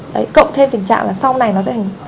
đấy cộng thêm tình trạng là sau này nó sẽ